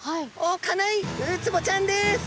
おっかないウツボちゃんです。